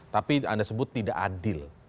tapi anda sebut tidak adil